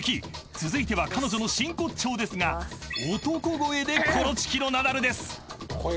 ［続いては彼女の真骨頂ですが男声でコロチキのナダルです］